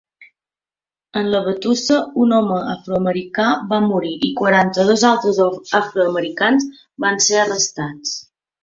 En la batussa un home afroamericà va morir i quaranta-dos altres afroamericans van ser arrestats.